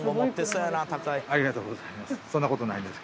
ありがとうございます。